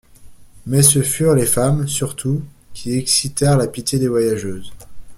Mais ce furent les femmes, surtout, qui excitèrent la pitié des voyageuses.